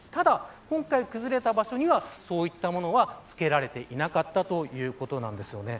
ただ、今回崩れた場所にはそういったものはつけられていなかったということなんです。